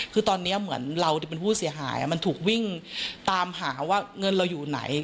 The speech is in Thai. คือตอนนี้เหมือนเราที่เป็นผู้เสียหายมันถูกวิ่งตามหาว่าเงินเราอยู่ไหน